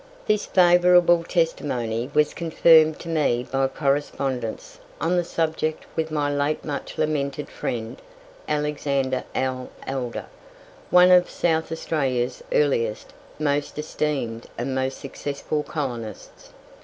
This favourable testimony was confirmed to me by correspondence on the subject with my late much lamented friend, Alexander L. Elder, one of South Australia's earliest, most esteemed, and most successful colonists.